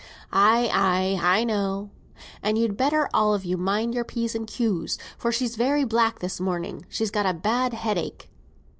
"Ay, ay, I know." "And you'd better all of you mind your P's and Q's, for she's very black this morning. She's got a bad headache."